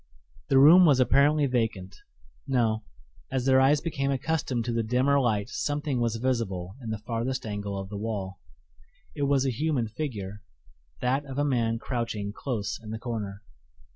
The room was apparently vacant no; as their eyes became accustomed to the dimmer light something was visible in the farthest angle of the wall. It was a human figure that of a man crouching close in the corner.